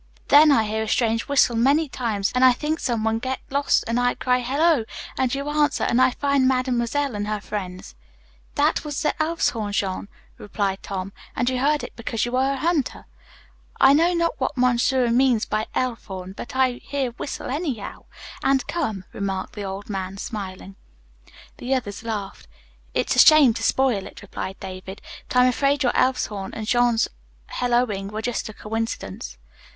Then I hear a strange whistle, many times, and I think some one get lost and I cry 'hello,' and you answer and I find mademoiselle and her friends." "That was the Elf's Horn, Jean," replied Tom, "and you heard because you are a hunter." "I know not what monsieur mean by Elf Horn, but I hear whistle, anyhow, and come," remarked the old man, smiling. The others laughed. "It's a shame to spoil it," replied David, "but I am afraid your Elf's Horn and Jean's helloing were just a coincidence."